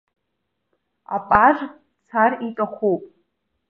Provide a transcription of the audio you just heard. Апаж дцар иҭахуп.